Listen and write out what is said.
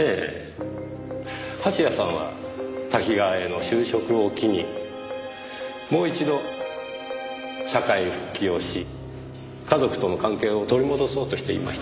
蜂矢さんはタキガワへの就職を機にもう一度社会復帰をし家族との関係を取り戻そうとしていました。